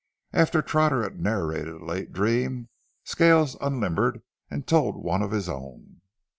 After Trotter had narrated a late dream, Scales unlimbered and told one of his own.